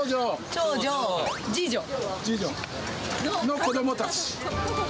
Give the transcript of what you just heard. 長女、次女。の子どもたち。